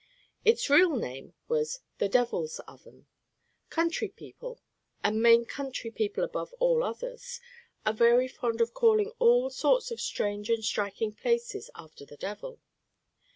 Its real name was "The Devil's Oven." Country people, and Maine country people above all others, are very fond of calling all sorts of strange and striking places after the devil.